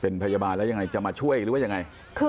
เป็นพยาบาลแล้วยังไงจะมาช่วยหรือว่ายังไง